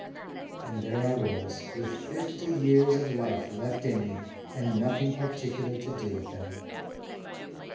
And there I was, with fifty years of life left in me and nothing particular to do with them."